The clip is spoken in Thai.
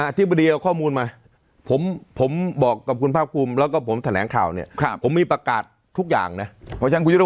ธิบดีเอาข้อมูลมาผมบอกกับคุณภาคภูมิแล้วก็ผมแถลงข่าวเนี่ยผมมีประกาศทุกอย่างนะ